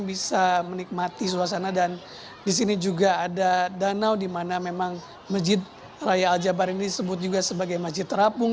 bisa menikmati suasana dan di sini juga ada danau di mana memang masjid raya al jabar ini disebut juga sebagai masjid terapung